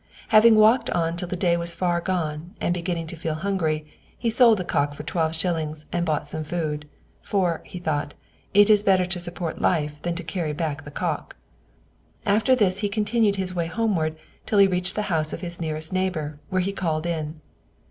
Having walked on till the day was far gone, and beginning to feel hungry, he sold the cock for twelve shillings, and bought some food; "for," thought he, "it is better to support life than to carry back the cock." After this he continued his way homeward till he reached the house of his nearest neighbor, where he called in.